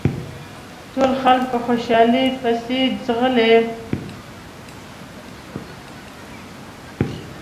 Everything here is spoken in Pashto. ټول خلک په خوشحالۍ پسې ځغلي.